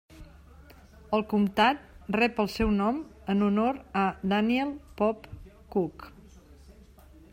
El comtat rep el seu nom en honor a Daniel Pope Cook.